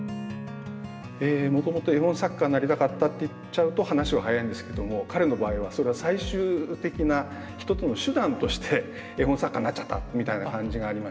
もともと絵本作家になりたかったって言っちゃうと話は早いんですけども彼の場合は最終的な一つの手段として絵本作家になっちゃったみたいな感じがありまして。